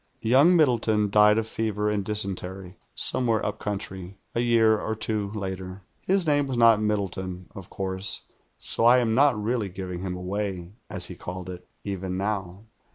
Young Middleton died of fever and dysentery, somewhere upcountry, a year or two later. His name was not Middleton, of course; so I am not really "giving him away," as he called it, even now.